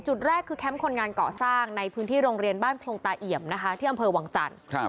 จุดแรกคือแคมป์คนงานเกาะสร้างในพื้นที่โรงเรียนบ้านพรงตาเอี่ยมนะคะที่อำเภอวังจันทร์